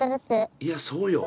いやそうよ。